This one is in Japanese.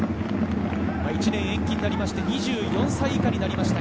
１年延期になりまして、２４歳以下になりました。